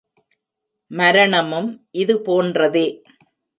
மரணமும் இது போன்றதே.